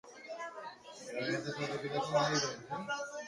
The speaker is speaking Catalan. Diu que ell té més ganes que ella de marxar?